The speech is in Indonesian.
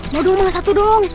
mau dong satu dong